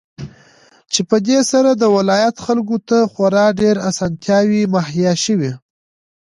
چې په دې سره د ولايت خلكو ته خورا ډېرې اسانتياوې مهيا شوې.